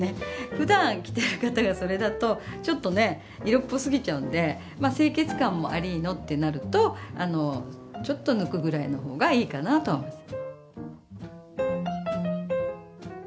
ふだん着てる方がそれだとちょっとね色っぽすぎちゃうんでまあ清潔感もありのってなるとちょっと抜くぐらいのほうがいいかなとは思います。